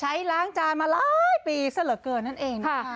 ล้างจานมาหลายปีซะเหลือเกินนั่นเองนะคะ